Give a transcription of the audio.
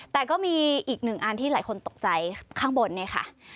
แต่ก็มีอีกหนึ่งอันที่หลายคนตกใจข้างบนเนี่ยค่ะ